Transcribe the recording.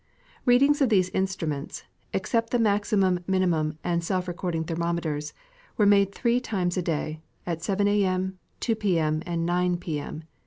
Readings of these instruments (except the maximum, minimum, and self recording thermometers) were made three times a day, at 7 a. m., 2 p. m. and 9 p. m.